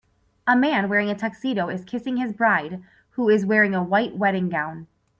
A man wearing a tuxedo is kissing his bride, who is wearing a white wedding gown.